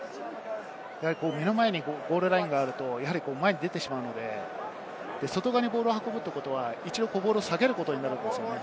目の前にゴールラインがあると前に出てしまうので、外側にボールを運ぶということは、ボールを下げることになるんですよね。